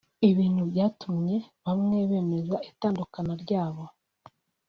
ibintu byatumye bamwe bemeza itandukana ryabo